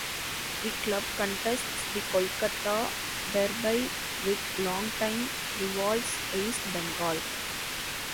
The club contests the Kolkata Derby with long-time rivals East Bengal.